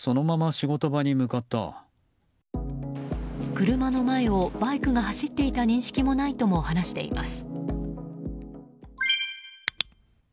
車の前をバイクが走っていた認識もないとも話しています。